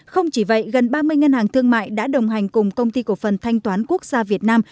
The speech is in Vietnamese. không chỉ vậy gần ba mươi ngân hàng thương mại đã đồng hành cùng công ty cổ phần thanh toán quốc gia việt nam